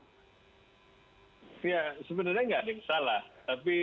ya sebenarnya enggak salah